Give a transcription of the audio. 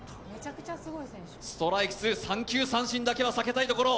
ストライクツー、三球三振だけは避けたいところ。